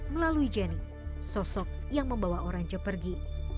melalui jenny sosok yang membawa orang jepang pergi